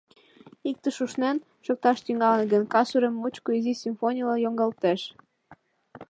Иктыш ушнен, шокташ тӱҥалыт гын, кас урем мучко изи симфонийла йоҥгалтеш.